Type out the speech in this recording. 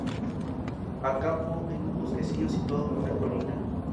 Acampó en un bosquecillo situado en una colina.